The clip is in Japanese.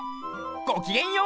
ごきげんよう！